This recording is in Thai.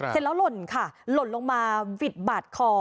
เสร็จแล้วหล่นค่ะหล่นลงมาบิดบาดคอ